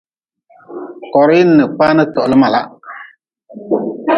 Korhi n kpani tohli malah.